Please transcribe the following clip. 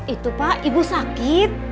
itu pak ibu sakit